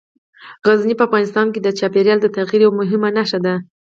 غزني په افغانستان کې د چاپېریال د تغیر یوه مهمه نښه ده.